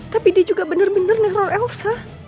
tapi dia juga bener bener neror elsa